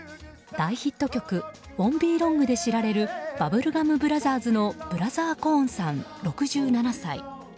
大ヒット曲「ＷＯＮ’ＴＢＥＬＯＮＧ」で知られるバブルガム・ブラザーズのブラザー・コーンさん、６７歳。